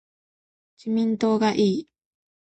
自民党がいい